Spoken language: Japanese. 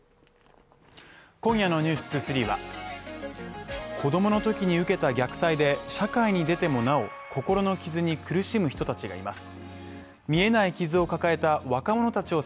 今夜の「ｎｅｗｓ２３」は子供のときに受けた虐待で社会に出てもなお心の傷に苦しむ人たちがいます。